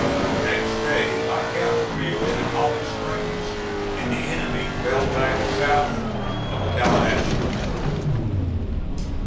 The next day my cavalry was in Holly Springs, and the enemy fell back south of the Tallahatchie.